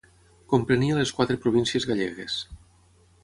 Comprenia les quatre províncies gallegues: